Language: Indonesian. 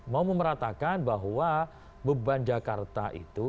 mau memeratakan bahwa beban jakarta itu